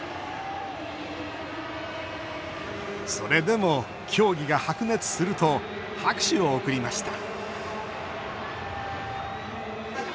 それでも、競技が白熱すると拍手を送りました